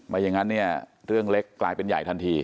อย่างนั้นเนี่ยเรื่องเล็กกลายเป็นใหญ่ทันที